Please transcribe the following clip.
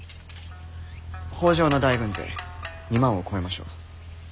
北条の大軍勢２万を超えましょう。